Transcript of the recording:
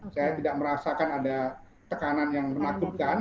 saya tidak merasakan ada tekanan yang menakutkan